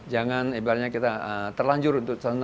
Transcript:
jangan ibaratnya kita terlanjur untuk